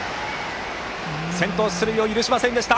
先頭出塁を許しませんでした。